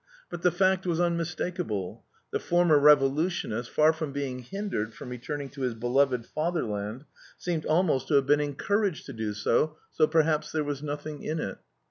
But the fact was unmistakable: the former revolutionist, far from being hindered from returning to his beloved Fatherland, seemed almost to have been encouraged to do so, so perhaps there was nothing in it.